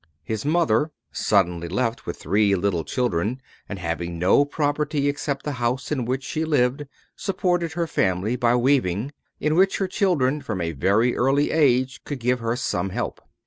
His mother, suddenly left with three little children, and having no property except the house in which she lived, supported her family by weaving, in which her children from a very early age could give her some help.